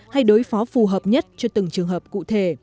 hay đối phó phù hợp nhất cho từng trường hợp cụ thể